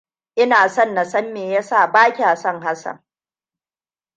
Ina son na san me ya sa ba kya son Hassan.